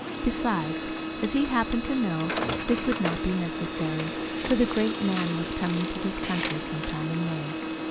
Besides, as he happened to know, this would not be necessary, for the great man was coming to this country some time in May.